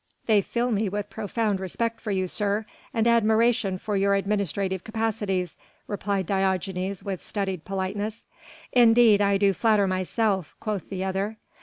"They fill me with profound respect for you, sir, and admiration for your administrative capacities," replied Diogenes, with studied politeness. "Indeed I do flatter myself ..." quoth the other.